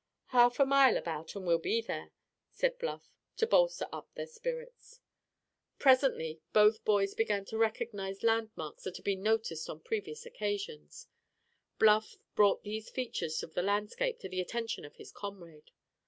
"Half a mile, about, and we'll be there," said Bluff, to bolster up their spirits. Presently both boys began to recognize landmarks that had been noticed on previous occasions. Bluff brought these features of the landscape to the attention of his comrade.